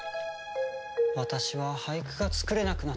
私は俳句が作れなくなった。